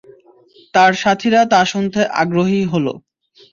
তার সাথীরা তা শুনতে আগ্রহী হল।